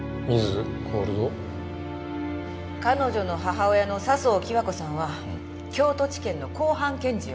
彼女の母親の佐相貴和子さんは京都地検の公判検事よ。